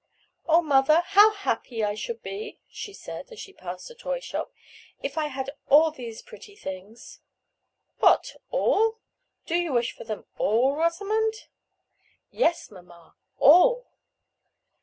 "Oh, mother, how happy I should be," she said, as she passed a toy shop, "if I had all these pretty things!" "What, all! Do you wish for them all, Rosamond?" "Yes, mamma, all."